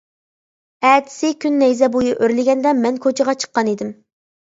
ئەتىسى كۈن نەيزە بويى ئۆرلىگەندە، مەن كوچىغا چىققانىدىم.